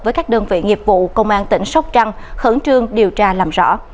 với các đơn vị nghiệp vụ công an tỉnh sóc trăng khẩn trương điều tra làm rõ